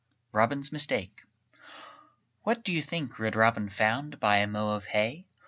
ROBIN'S MISTAKE What do you think Red Robin Found by a mow of hay?